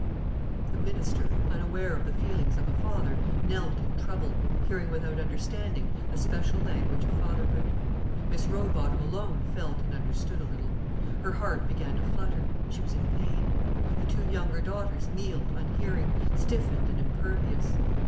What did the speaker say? The minister, unaware of the feelings of a father, knelt in trouble, hearing without understanding the special language of fatherhood. Miss Rowbotham alone felt and understood a little. Her heart began to flutter; she was in pain. The two younger daughters kneeled unhearing, stiffened and impervious.